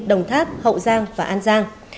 đồng tháp hậu giang và an giang